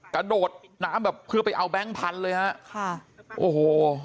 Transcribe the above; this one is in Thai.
กระโดดน้ำแบบเพื่อไปเอาแก๊งพันธุ์เลยฮะค่ะโอ้โห